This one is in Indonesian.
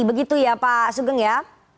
begitu ya pak sugeng ya